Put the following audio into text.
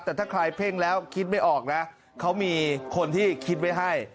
แต่ถ้าใครเพ่งแล้วคิดไม่ออกนะเขามีคนที่คิดไว้ให้